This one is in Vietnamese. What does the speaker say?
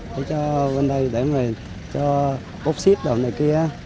để cho bên đây để bên đây cho bốc xếp đồ này kia